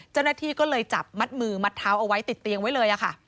เจ้าหน้าที่ก็เลยจับมัดมือมัดเท้าเอาไว้ติดเตียงไว้เลยค่ะ